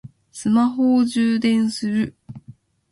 スマホを充電する